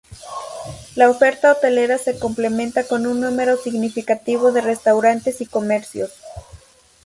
La oferta hotelera se completa con un número significativo de restaurantes y comercios.